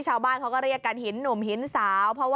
ชาวบ้านเขาก็เรียกกันหินหนุ่มหินสาว